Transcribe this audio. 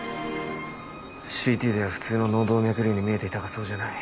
ＣＴでは普通の脳動脈瘤に見えていたがそうじゃない。